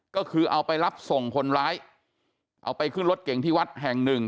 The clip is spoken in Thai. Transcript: ก็คือเอาไปรับส่งคนร้ายเอาไปขึ้นรถเก่งที่วัดแห่งหนึ่ง